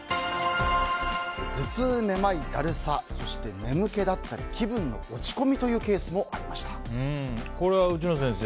頭痛、めまい、だるさそして眠気だったり気分の落ち込みというこれは内野先生